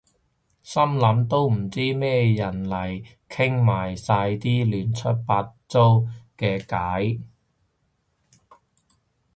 心諗都唔知咩人嚟傾埋晒啲亂七八糟嘅偈